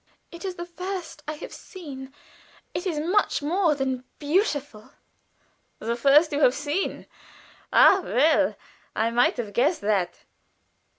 "It is the first I have seen. It is much more than beautiful." "The first you have seen? Ah, well, I might have guessed that."